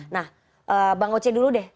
nah bang oce dulu deh